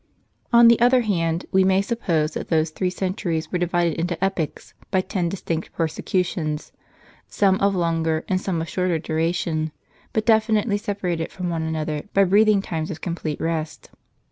On the other hand, w^e may suppose, that those three centuries 2 were divided into epochs by ten distinct persecutions, some of longer and some of shorter duration, but definitely separated from one another by breathing times of complete rest.